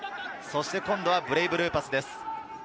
今度はブレイブルーパスです。